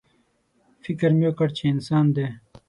_فکر مې وکړ چې انسان دی.